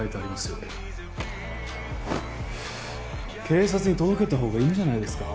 警察に届けた方がいいんじゃないですか？